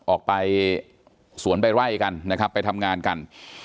ออกไปสวนไปไล่กันนะครับไปทำงานกัน